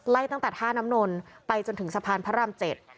ตั้งแต่ท่าน้ำนนไปจนถึงสะพานพระรามเจ็ด